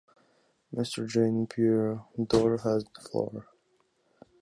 Mr. Jean-Pierre Door has the floor.